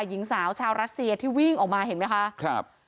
หญิงสาวชาวรัสเซียที่วิ่งออกมาเห็นไหมคะครับ